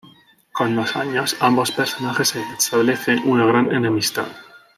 Con los años, ambos personajes establecen una gran enemistad.